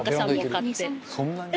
「そんなに？」